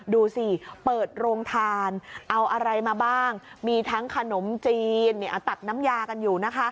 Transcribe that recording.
ดูสิเปิดโรงทานเอาอะไรมาบ้างมีทั้งขนมจีนตักน้ำยากันอยู่นะคะ